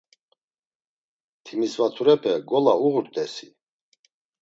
Timisvaturepe gola uğurt̆esi?